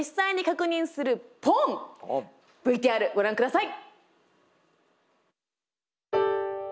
ＶＴＲご覧ください。